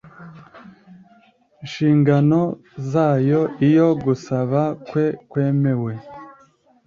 nshingano zayo Iyo ugusaba kwe kwemewe